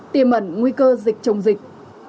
tiêm ẩn nguy cơ dịch chống dịch